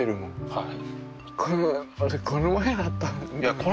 はい。